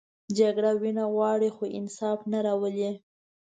جګړه وینه غواړي، خو انصاف نه راولي